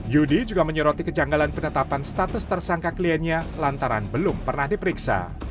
yudi juga menyoroti kejanggalan penetapan status tersangka kliennya lantaran belum pernah diperiksa